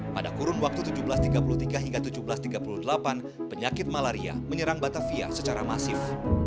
pada kurun waktu seribu tujuh ratus tiga puluh tiga hingga seribu tujuh ratus tiga puluh delapan penyakit malaria menyerang batavia secara masif